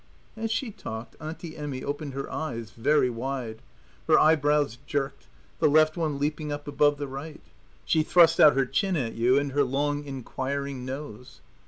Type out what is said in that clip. As she talked Auntie Emmy opened her eyes very wide; her eyebrows jerked, the left one leaping up above the right; she thrust out her chin at you and her long, inquiring nose.